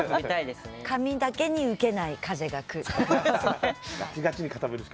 髪だけに受けない風がくると。